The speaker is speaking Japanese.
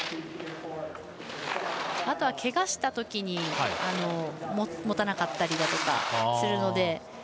あとは、けがしたときに持たなかったりだとかするので。